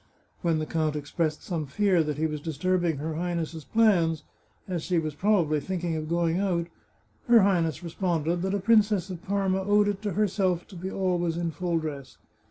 When the count expressed some fear that he was disturbing her Highness's plans, as she was probably think ing of going out, her Highness responded that a Princess of Parma owed it to herself to be always in full dress.